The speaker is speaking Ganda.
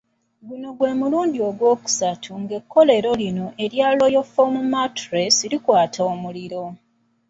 Guno gwe mulundi ogwokusatu ng'ekkolero lino erya Royal Foam mattress likwata omuliro.